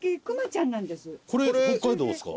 これ北海道ですか？